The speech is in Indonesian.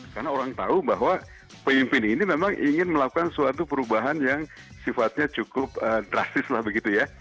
karena orang tahu bahwa pemimpin ini memang ingin melakukan suatu perubahan yang sifatnya cukup drastis lah begitu ya